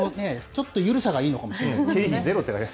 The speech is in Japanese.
ちょっと緩さがいいのかもしれない。